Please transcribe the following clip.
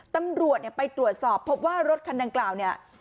ตำรวจไปตรวจสอบพบว่ารถคันดังกล่าวเนี่ย